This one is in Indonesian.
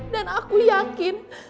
dan aku yakin